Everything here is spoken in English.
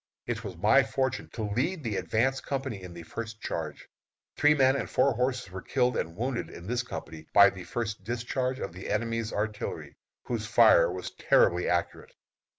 It was my fortune to lead the advance company in the first charge. Three men and four horses were killed and wounded in this company by the first discharge of the enemy's artillery, whose fire was terribly accurate.